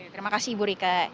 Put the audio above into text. terima kasih ibu rika